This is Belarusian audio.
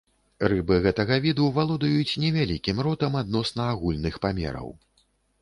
Рыбы гэтага віду валодаюць невялікім ротам адносна агульных памераў.